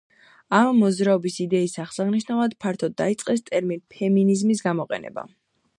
ამ მოძრაობის იდეის აღსანიშნავად ფართოდ დაიწყეს ტერმინ „ფემინიზმის“ გამოყენება.